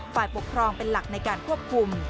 ฝ่ายปกครองเป็นหลักในการควบคุม